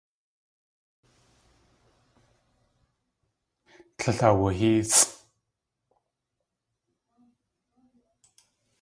Tlél awuhéesʼ.